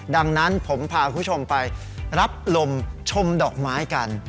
ดังนั้นผมพาคุณผู้ชมไปรับลมชมดอกไม้กัน